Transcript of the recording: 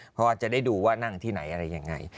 เพราะว่าจะได้ดูว่านั่งที่ไหนอะไรยังไง